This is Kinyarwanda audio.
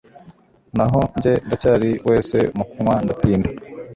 naho njye ndacyari wese mu kunywa ndatinda